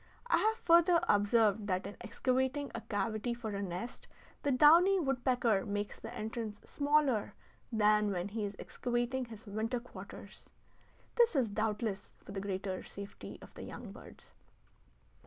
I have further observed that in excavating a cavity for a nest the downy woodpecker makes the entrance smaller than when he is excavating his winter quarters. This is doubtless for the greater safety of the young birds.